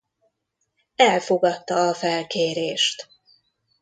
Elfogadta a felkérést.